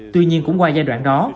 tuy nhiên cũng qua giai đoạn đó